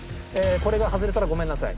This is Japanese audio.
これが外れたらごめんなさい。